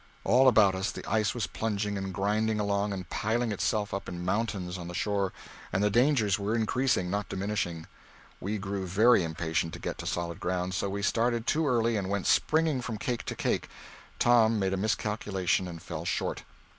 All about us the ice was plunging and grinding along and piling itself up in mountains on the shore, and the dangers were increasing, not diminishing. We grew very impatient to get to solid ground, so we started too early and went springing from cake to cake. Tom made a miscalculation, and fell short.